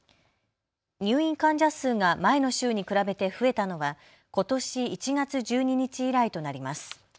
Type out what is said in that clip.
入院患者数が前の週に比べて増えたのはことし１月１２日以来となります。